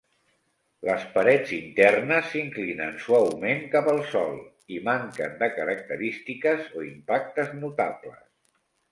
Les parets internes s'inclinen suaument cap al sòl i manquen de característiques o impactes notables.